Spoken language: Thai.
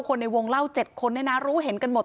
ในวงเล่า๗คนเนี่ยนะรู้เห็นกันหมด